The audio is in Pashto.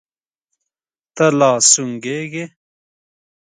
ته لا سونګه ږې.